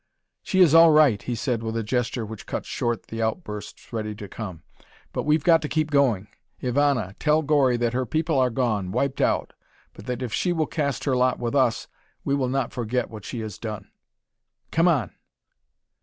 "She is all right," he said with a gesture which cut short the outbursts ready to come. "But we've got to keep going. Ivana, tell Gori that her people are gone, wiped out, but that if she will cast her lot with us, we will not forget what she has done. Come on!"